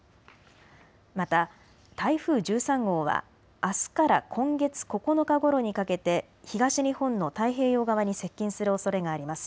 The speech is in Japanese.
また台風１３号はあすから今月９日ごろにかけて東日本の太平洋側に接近するおそれがあります。